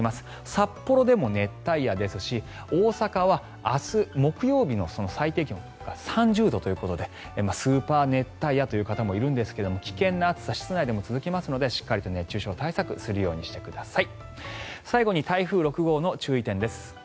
札幌でも熱帯夜ですし大阪は明日、木曜日の最低気温が３０度ということでスーパー熱帯夜という方もいるんですが危険な暑さ室内でも続きますのでしっかりと熱中症対策をするようにしてください。